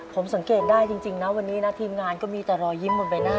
ผมสังเกตได้จริงนะวันนี้นะทีมงานก็มีแต่รอยยิ้มบนใบหน้า